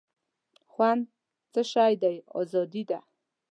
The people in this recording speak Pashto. خوند څه شی دی آزادي ده.